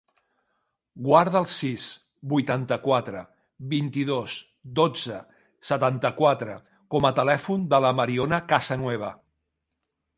Guarda el sis, vuitanta-quatre, vint-i-dos, dotze, setanta-quatre com a telèfon de la Mariona Casanueva.